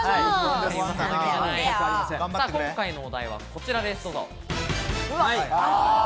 今回のお題はこちらです。